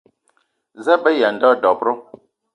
Za a be aya a nda dob-ro?